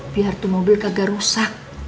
biar tuh mobil kagak rusak